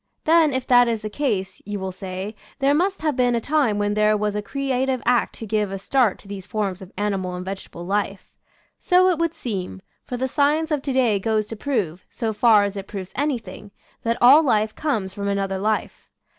Then, if that is the case, you will say, there must have been a time when there was a crea tive act to give a start to these forms of ani mal and vegetable life. So it would seem, for the science of to day goes to prove, so far as it proves anything, that all life comes from another life.